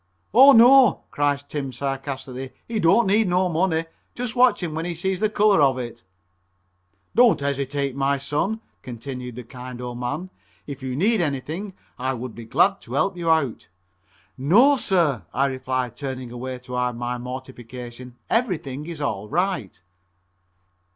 "Oh, no," cries Tim sarcastically, "he don't need no money. Just watch him when he sees the color of it." "Don't hesitate, my son," continued the kind old man, "if you need anything I would be glad to help you out." "No, sir," I replied, turning away to hide my mortification, "everything is all right."